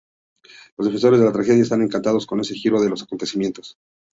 Los defensores de la Tragedia están encantados con este giro de los acontecimientos.